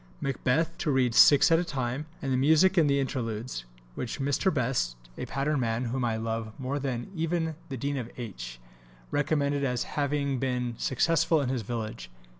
Macbeth (6) to read 6 at a time, and the music in the interludes, which Mr. Best (a pattern man whom I love more even than the Dean of H.) recommended as having been successful in his village.